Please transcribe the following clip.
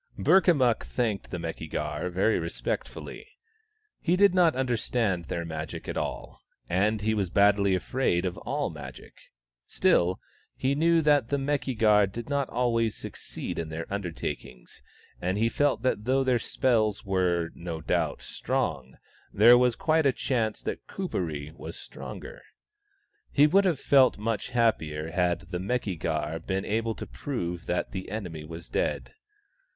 Burkamukk thanked the Meki gar very respect fully. He did not understand their Magic at all, and he was badly afraid of all Magic ; still, he knew that the Meki gar did not always succeed in their undertakings, and he felt that though their spells were, no doubt, strong, there was quite a chance that Kuperee was stronger. He would have felt much happier had the Meki gar been able to prove that the enemy was dead.